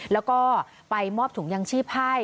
แล้วก็ไปมอบถุงยางชีพให้